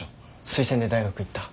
推薦で大学行った。